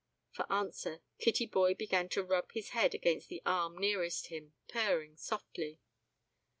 For answer, Kittyboy began to rub his head against the arm nearest him, purring softly.